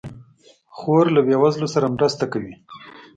خور له بېوزلو سره مرسته کوي.